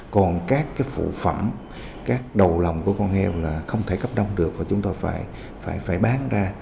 còn các phụ phẩm các đầu lòng của con heo là không thể cấp đông được và chúng tôi phải bán ra